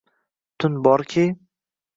Tun borki